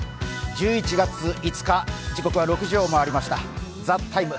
１１月５日時刻は６時を回りました、「ＴＨＥＴＩＭＥ，」